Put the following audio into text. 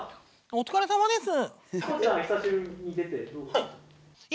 お疲れさまです。